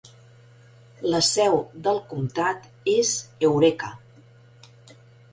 La seu del comtat és Eureka.